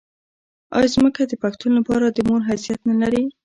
آیا ځمکه د پښتون لپاره د مور حیثیت نلري؟